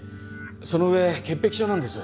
その上潔癖症なんです。